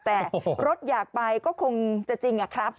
แต่รถอยากไปก็คงจะจริงอะครับ